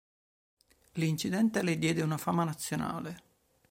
L'incidente le diede una fama nazionale.